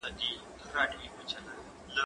زه مخکي مېوې وچولي وې!؟